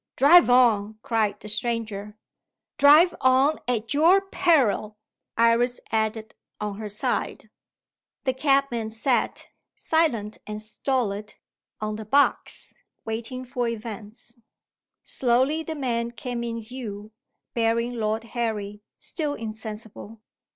"Drive on!" cried the stranger. "Drive on, at your peril," Iris added, on her side. The cabman sat, silent and stolid, on the box, waiting for events. Slowly the men came in view, bearing Lord Harry, still insensible.